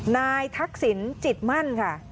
นายทักศิลป์จิตมั่นค่ะ